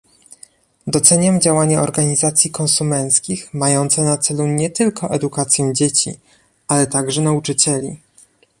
Doceniam działania organizacji konsumenckich mające na celu nie tylko edukację dzieci, ale także nauczycieli